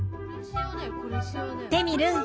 テミルン